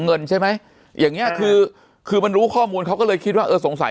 เงินใช่ไหมอย่างเงี้ยคือคือมันรู้ข้อมูลเขาก็เลยคิดว่าเออสงสัย